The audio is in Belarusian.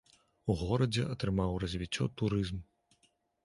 У горадзе атрымаў развіццё турызм.